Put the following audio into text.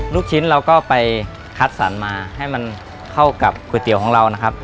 ลูกชิ้นเราก็ไปคัดสรรมาให้มันเข้ากับก๋วยเตี๋ยวของเรานะครับ